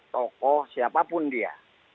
tokoh siapapun dia